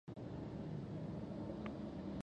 وزې د بلبلي غوندې غږ کوي